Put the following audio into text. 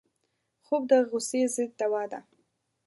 خوب د غصې ضد دوا ده